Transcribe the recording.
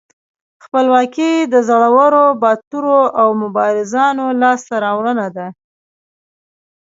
خپلواکي د زړورو، باتورو او مبارزانو لاسته راوړنه ده.